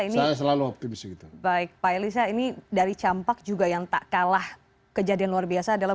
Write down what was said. ini selalu optimis gitu baik pak elisa ini dari campak juga yang tak kalah kejadian luar biasa adalah